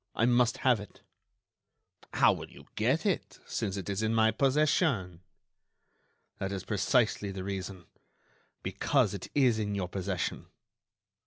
I must have it." "How will you get it, since it is in my possession?" "That is precisely the reason—because it is in your possession."